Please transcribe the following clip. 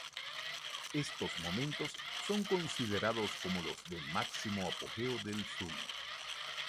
Estos momentos son considerados como los de máximo apogeo del soul.